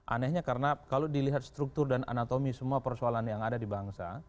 anehnya karena kalau dilihat struktur dan anatomi semua persoalan yang ada di bangsa